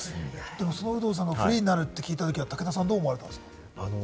その有働さんがフリーになると聞いたときは武田さんはどう思われたんですか？